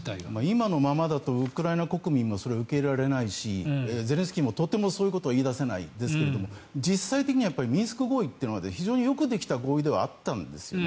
今のままだとウクライナ国民もそれを受け入れられないしゼレンスキーもとてもそういうことは言い出せないですが実際はミンスク合意はよくできた合意ではあるんです。